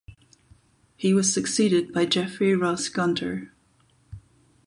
He was succeeded by Jeffrey Ross Gunter.